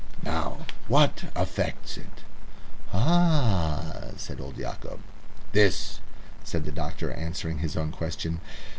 "Now, what affects it?" "Ah!" said old Yacob. "This," said the doctor, answering his own question.